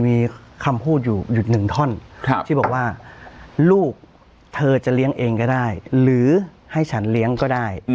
มีคำพูดอยู่หนึ่งท่อนที่บอกว่าลูกเธอจะเลี้ยงเองก็ได้หรือให้ฉันเลี้ยงก็ได้